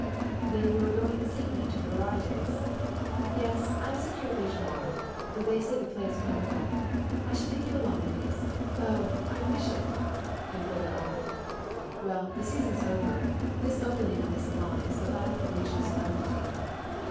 " Then you are going this evening to the Varidtes? " "Yes, I have secured a baignoire. They say the play is comical. I shall take you along, Louise. Oh I I wish it I " And further on :" Well, the season's over. This opening of the Salon is the final Parisian solemnity."